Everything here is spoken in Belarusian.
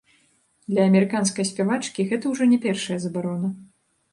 Для амерыканскай спявачкі гэта ўжо не першая забарона.